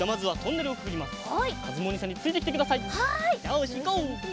よしいこう。